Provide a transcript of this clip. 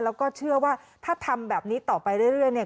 แล้วก็เชื่อว่าถ้าทำแบบนี้ต่อไปเรื่อยเนี่ย